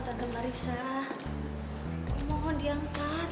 tante marissa mohon diangkat